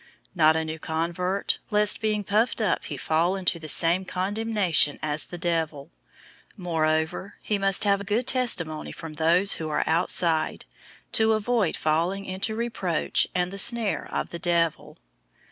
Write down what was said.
003:006 not a new convert, lest being puffed up he fall into the same condemnation as the devil. 003:007 Moreover he must have good testimony from those who are outside, to avoid falling into reproach and the snare of the devil.